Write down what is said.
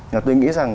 và tôi nghĩ rằng